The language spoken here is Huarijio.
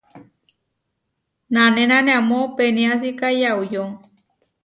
Nanénane amó peniásika yauyó.